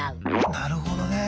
なるほどね。